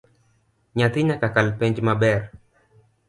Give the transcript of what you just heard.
Nyathi nyaka kal penj maber